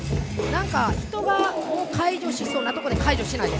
何か人が解除しそうなとこで解除しないですね。